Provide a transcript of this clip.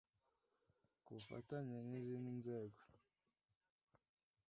ku bufatanye n’izindi nzego